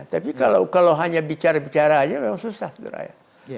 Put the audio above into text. tapi kalau hanya bicara bicara aja memang susah sebenarnya